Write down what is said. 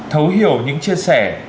thấu hiểu những chia sẻ